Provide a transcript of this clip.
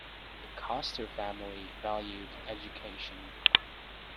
The Coster family valued education.